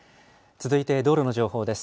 続いて道路の情報です。